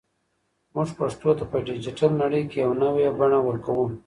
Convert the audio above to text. موږ پښتو ته په ډیجیټل نړۍ کې یو نوی بڼه ورکوو.